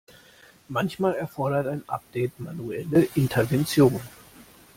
Manchmal erfordert ein Update manuelle Intervention.